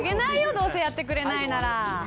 どうせ、やってくれないなら。